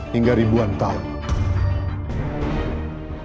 hingga ribuan tahun